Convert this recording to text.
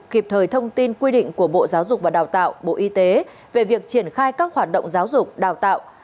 kịp thời thông tin quy định của bộ giáo dục và đào tạo về việc triển khai các hoạt động giáo dục đào tạo